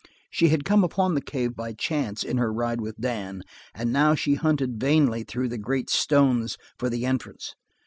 She had come upon the cave by chance in her ride with Dan, and now she hunted vainly through the great stones for the entrance.